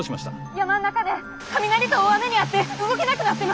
山ん中で雷と大雨に遭って動けなくなってます。